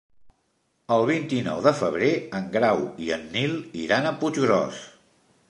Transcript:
El vint-i-nou de febrer en Grau i en Nil iran a Puiggròs.